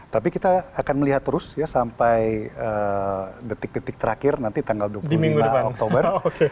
tapi kita akan melihat terus ya sampai detik detik terakhir nanti tanggal dua puluh lima oktober